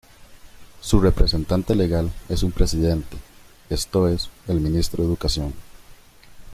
Su representante legal es su presidente, esto es, el Ministro de Educación.